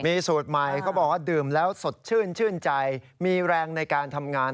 มีสูตรใหม่เขาบอกว่าดื่มแล้วสดชื่นชื่นใจมีแรงในการทำงาน